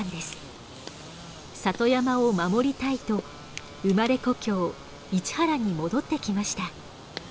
里山を守りたいと生まれ故郷市原に戻ってきました。